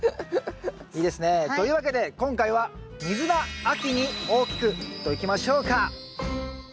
いいですね。というわけで今回はといきましょうか。